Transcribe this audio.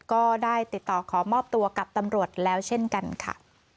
ก็ได้ติดต่อขอมอบตัวกับตำรวจแล้วเช่นกันค่ะ